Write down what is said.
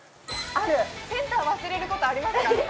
センター忘れることありますか？